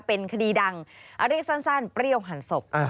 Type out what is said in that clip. เป็นคดีดังเรียกสั้นเปรี้ยวหันศพ